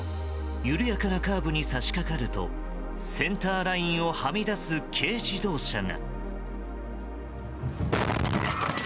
緩やかなカーブに差し掛かるとセンターラインをはみ出す軽自動車が。